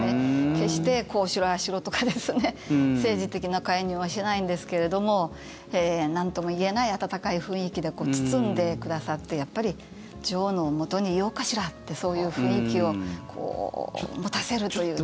決してこうしろああしろとか政治的な介入はしないんですけれどもなんともいえない温かい雰囲気で包んでくださってやっぱり女王のもとにいようかしらってそういう雰囲気を持たせるという。